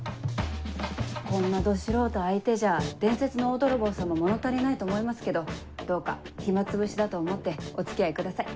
こんなど素人相手じゃ伝説の大泥棒さんも物足りないと思いますけどどうか暇つぶしだと思ってお付き合いください。